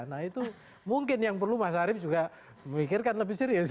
nah itu mungkin yang perlu mas arief juga memikirkan lebih serius